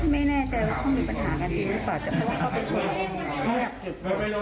ไม่แน่ใจว่าเขามีปัญหากันดีกว่าแต่เขาเป็นคนเงียบ